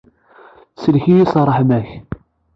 Sellek-iyi s ṛṛeḥma-k!